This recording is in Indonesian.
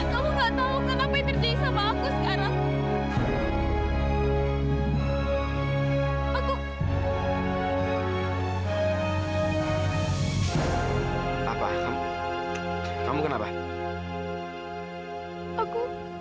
kamu gak tahu kenapa yang terjadi sama aku sekarang